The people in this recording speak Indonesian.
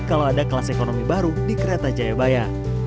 kalau ada kelas ekonomi baru di kereta jayabaya